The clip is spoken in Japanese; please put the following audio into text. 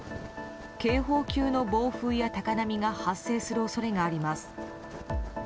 警報級の暴風や高波が発生する恐れがあります。